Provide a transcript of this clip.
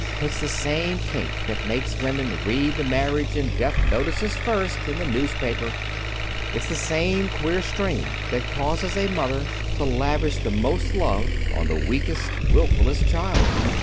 It's the same kink that makes women read the marriage and death notices first in a newspaper. It's the same queer strain that causes a mother to lavish the most love on the weakest, wilfullest child.